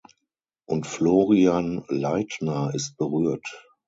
Und Florian Leitner ist berührt.